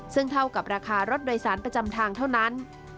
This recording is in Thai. ซึ่งเท่ากับราคารถโดยสารประจำทางเท่านั้น